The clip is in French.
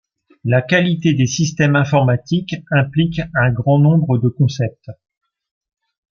La qualité des systèmes informatiques implique un grand nombre de concepts.